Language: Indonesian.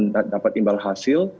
dan dapat imbal hasil